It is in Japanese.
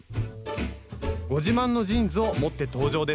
ご自慢のジーンズを持って登場です